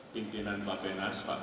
pimpinan mbak benas mbak aisa dan mbak gita